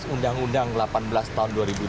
undang undang delapan belas tahun dua ribu dua